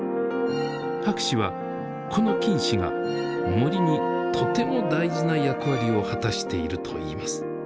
博士はこの菌糸が森にとても大事な役割を果たしているといいます。